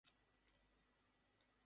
Uncle, কেমন আছেন?